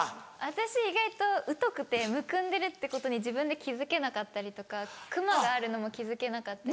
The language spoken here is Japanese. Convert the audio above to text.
私意外と疎くてむくんでるってことに自分で気付けなかったりとかくまがあるのも気付けなかったり。